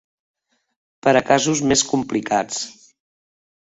Per a casos més complicats.